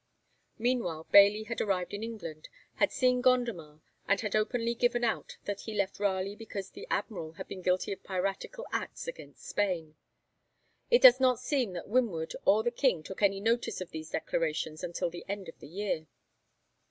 Meanwhile Bailey had arrived in England, had seen Gondomar, and had openly given out that he left Raleigh because the admiral had been guilty of piratical acts against Spain. It does not seem that Winwood or the King took any notice of these declarations until the end of the year.